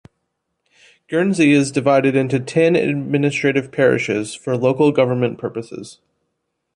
Guernsey is divided into ten administrative parishes for local government purposes.